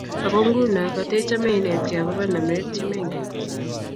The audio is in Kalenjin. ako nguno ketechame inetgei akobo namet che mengen